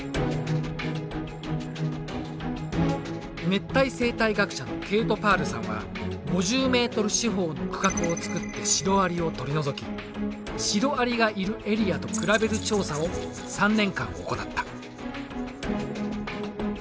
熱帯生態学者のケイト・パールさんは５０ｍ四方の区画を作ってシロアリを取り除きシロアリがいるエリアと比べる調査を３年間行った。